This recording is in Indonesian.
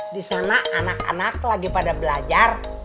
di sana anak anak lagi pada belajar